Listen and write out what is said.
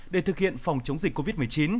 để thực hiện phòng chống dịch covid một mươi chín